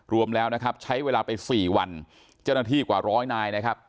รวมแล้วนะครับใช้เวลาไปสี่วันเจ้าหน้าที่กว่าร้อยนายนะครับ